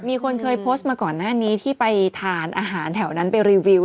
มีคนเคยโพสต์มาก่อนหน้านี้ที่ไปทานอาหารแถวนั้นไปรีวิว